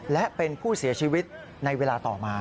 และเป็นผู้เสียชีวิตในเวลาต่อมา